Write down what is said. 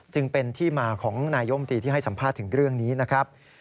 จึงเป็นที่มาของนายมตรีที่ให้สัมภาษณ์ถึงเรื่องนี้นะครับ